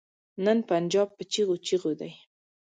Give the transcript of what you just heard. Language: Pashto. نن پنجاب په چيغو چيغو دی.